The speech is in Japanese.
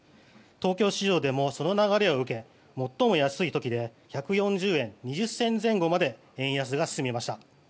東京市場でもその流れを受け最も安い時で１４０円２０銭前後まで円安が進みました。